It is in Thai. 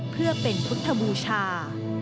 เพื่อเป็นพุทธบูชา